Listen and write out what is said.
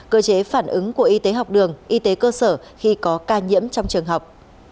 cơ chế phản ứng của y tế học đường y tế cơ sở khi có ca nhiễm trong trường học